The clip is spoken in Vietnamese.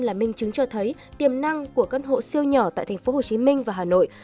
là minh chứng cho thấy tiềm năng của căn hộ siêu nhỏ tại tp hcm và hà nội